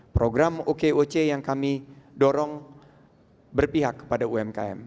program okoc yang kami dorong berpihak kepada umkm